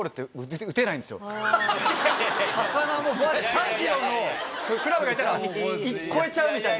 魚も３キロのクラブがいたら越えちゃうみたいな。